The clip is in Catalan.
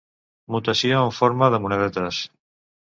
Mutació en forma de monedetes.